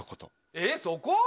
えっそこ？